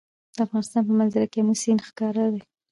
د افغانستان په منظره کې آمو سیند ښکاره دی.